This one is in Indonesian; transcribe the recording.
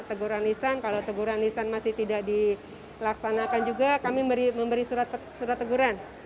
teguran lisan kalau teguran lisan masih tidak dilaksanakan juga kami memberi surat teguran